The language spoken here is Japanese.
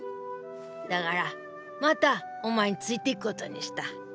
だからまたお前に付いていくことにした！